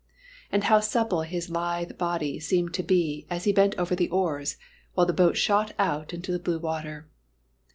And how supple his lithe body seemed as he bent over the oars, while the boat shot out into the blue water.